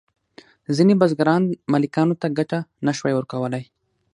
ځینې بزګران مالکانو ته ګټه نشوای ورکولی.